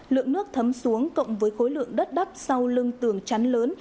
lượng nước thấm xuống cộng với khối lượng đất đắt sau lưng tường chắn lớn